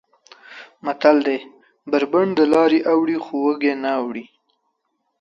متل دی: بر بنډ دلارې اوړي خو وږی نه اوړي.